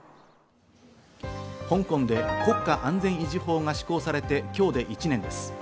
香港で国家安全維持法が施行されて今日で１年です。